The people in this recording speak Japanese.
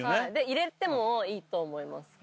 入れてもいいと思います。